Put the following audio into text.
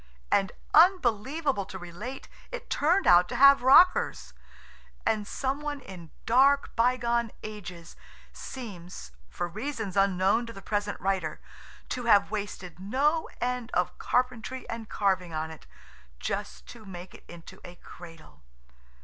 And, unbelievable to relate, it turned out to have rockers, and some one in dark, bygone ages seems, for reasons unknown to the present writer, to have wasted no end of carpentry and carving on it, just to make it into a Cradle.